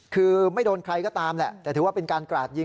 คือไม่โดนใครก็ตามแหละแต่ถือว่าเป็นการกราดยิง